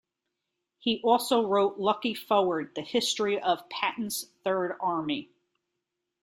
He also wrote Lucky Forward: The History of Patton's Third Army.